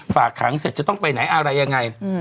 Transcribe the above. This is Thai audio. ฝากขังเสร็จจะต้องไปไหนอะไรยังไง